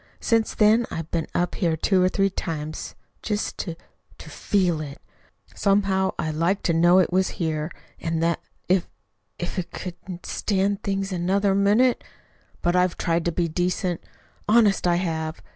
Since then I've been up here two or three times just to to feel of it. Somehow I liked to know it was here, and that, if if I just couldn't stand things another minute "But I've tried to be decent, honest I have.